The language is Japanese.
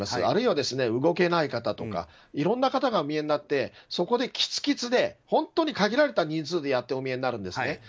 あるいは、動けない方とかいろんな方がお見えになってそこで、きつきつで本当に限られた人数でやってお見えになるんですね。